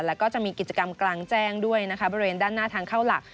แล้วก็จะมีกิจกรรมกลางแจ้งด้วยนะคะบริเวณด้านหน้าทางเข้าหลัก